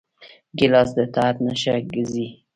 ګیلاس د اطاعت نښه ګرځېږي.